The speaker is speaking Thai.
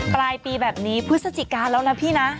ปลายปีแบบนี้พฤศจิกาแล้วนะพี่นะ